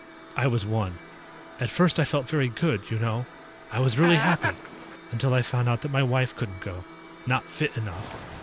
I was one. At first I felt very good, you know? I was really happy. Until I found out that my wife couldn't go. Not fit enough.